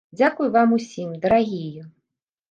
Дзякуй вам усім, дарагія!